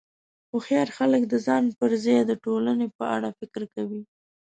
هوښیار خلک د ځان پر ځای د ټولنې په اړه فکر کوي.